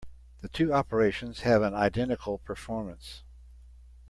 The two operations have an identical performance.